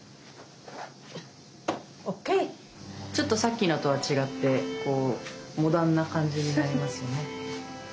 ちょっとさっきのとは違ってこうモダンな感じになりますよね。